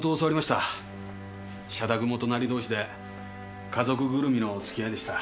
社宅も隣同士で家族ぐるみの付き合いでした。